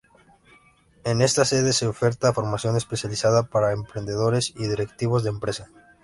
En esta sede se oferta formación especializada para emprendedores y directivos de empresa.